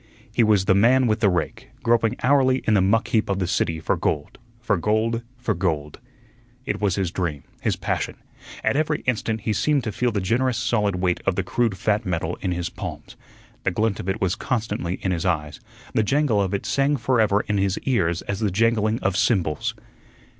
He was the Man with the Rake, groping hourly in the muck heap of the city for gold, for gold, for gold. It was his dream, his passion; at every instant he seemed to feel the generous solid weight of the crude fat metal in his palms. The glint of it was constantly in his eyes; the jangle of it sang forever in his ears as the jangling of cymbals.